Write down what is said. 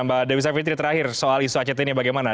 mbak dewi savitri terakhir soal isu act ini bagaimana